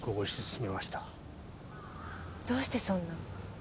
どうしてそんな。